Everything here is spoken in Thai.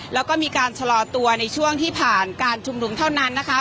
แล้วก็มีการชะลอตัวในช่วงที่ผ่านการชุมนุมเท่านั้นนะคะ